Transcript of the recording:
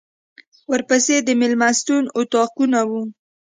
ورپسې د مېلمستون اطاقونه و.